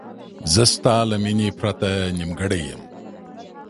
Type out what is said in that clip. زه ستا له مینې پرته نیمګړی یم.